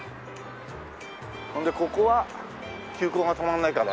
ほんでここは急行が止まんないからね。